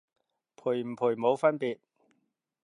賠唔賠冇分別